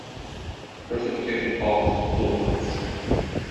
Precipitation falls in the cooler months.